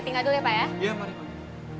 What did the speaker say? iya saya tinggal dulu ya pak ya